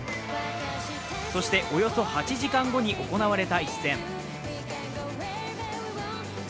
そして、およそ８時間後に行われた一戦。